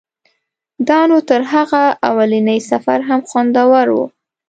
دا نو تر هغه اولني سفر هم خوندور و.